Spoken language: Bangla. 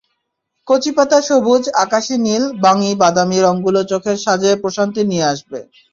কচিপাতা সবুজ, আকাশি নীল, বাঙ্গি, বাদামি রংগুলো চোখের সাজে প্রশান্তি নিয়ে আসবে।